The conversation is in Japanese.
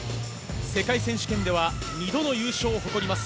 世界選手権では２度の優勝を誇ります